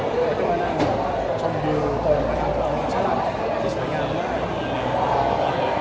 และก็จะนั่งชมดูตรงภูมิของพญานาคตและสมัยงามอื่น